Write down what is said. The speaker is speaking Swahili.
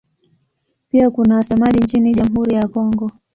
Pia kuna wasemaji nchini Jamhuri ya Kongo.